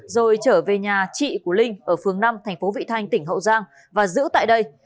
rồi trở về nhà chị của linh ở phương năm tp vị thanh tỉnh hậu giang và giữ tại đây